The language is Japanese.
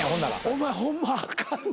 お前ホンマあかん。